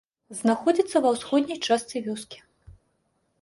Знаходзіцца ва ўсходняй частцы вёскі.